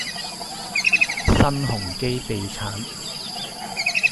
新鴻基地產